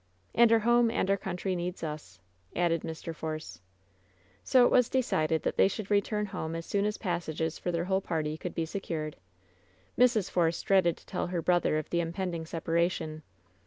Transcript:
"And our home and ^ut country needs us," added Mr. Force. So it was decided that they should return home as soon as passages for their whole party could be secured. Mrs. Force dreaded to tell her brother of the im pending separation.